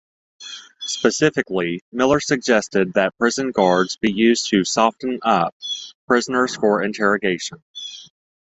Specifically, Miller suggested that prison guards be used to "soften up" prisoners for interrogations.